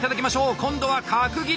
今度は角切り！